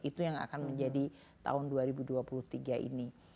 itu yang akan menjadi tahun dua ribu dua puluh tiga ini